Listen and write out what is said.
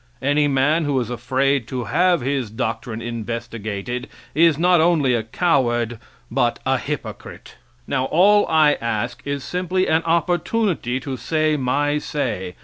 Any man who is afraid to have his doctrine investigated is not only a coward but a hypocrite. Now, all I ask is simply an opportunity to say my say.